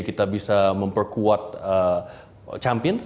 kita bisa memperkuat champions